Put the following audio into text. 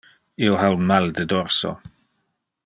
Io ha un mal de dorso.